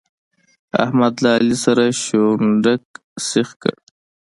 احمد له علي سره شونډک سيخ کړ.